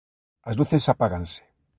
As luces apáganse.